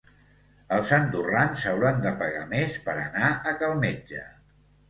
Els andorrans hauran de pagar més per anar a cal metge.